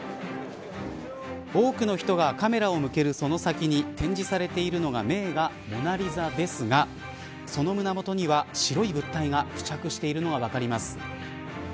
多くの人がカメラを向けるその先に展示されているのが名画モナ・リザですがその胸元には白い物体が付着しているのが分かります。